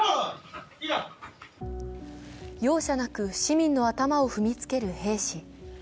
容赦なく市民の頭を踏みつける兵士。